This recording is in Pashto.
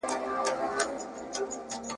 د خپل عقل په کمال وو نازېدلی ..